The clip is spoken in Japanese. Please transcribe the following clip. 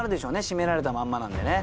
しめられたまんまなんでね。